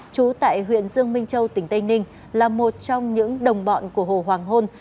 trú tại huyện dương minh châu tỉnh tây ninh là một trong những đồng bọn của hồ hoàng hôn